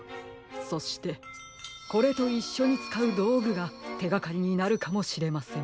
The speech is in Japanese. そしてこれといっしょにつかうどうぐがてがかりになるかもしれません。